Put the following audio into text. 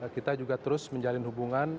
kita juga terus menjalin hubungan